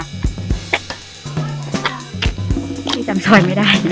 ก็ยินทำสวนไม่ได้